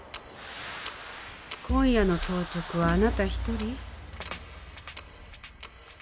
今夜の当直はあなた一人？